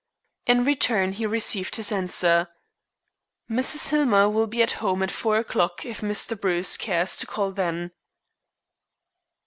In return he received this answer. "Mrs. Hillmer will be at home at four o'clock if Mr. Bruce cares to call then."